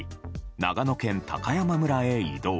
長野県高山村へ移動。